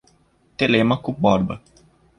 Telêmaco Borba